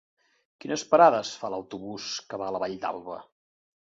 Quines parades fa l'autobús que va a la Vall d'Alba?